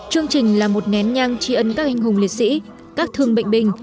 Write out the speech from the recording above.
chương trình là một nén nhang tri ân các anh hùng liệt sĩ các thương bệnh binh